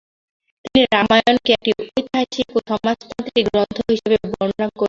তিনি রামায়ণকে একটি ঐতিহাসিক ও সমাজতান্ত্রিক গ্রন্থ হিসেবে বর্ণনা করেছিলেন।